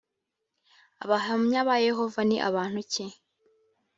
abahamya ba yehova ni bantu ki?